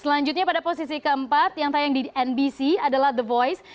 selanjutnya pada posisi keempat yang tayang di nbc adalah the voice